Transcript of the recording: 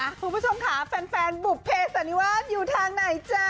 คุณผู้ชมค่ะแฟนบุปเพชรอันนี้ว่าอยู่ทางไหนจ้า